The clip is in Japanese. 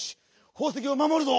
ほうせきをまもるぞ！